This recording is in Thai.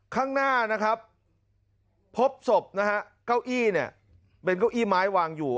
ข้างหน้านะครับพบศพนะฮะเก้าอี้เนี่ยเป็นเก้าอี้ไม้วางอยู่